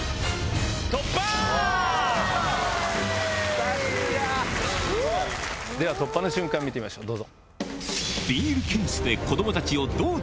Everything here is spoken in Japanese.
さすが！では突破の瞬間見てみましょうどうぞ。